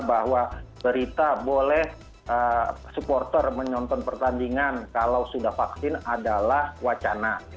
bahwa berita boleh supporter menyonton pertandingan kalau sudah vaksin adalah wacana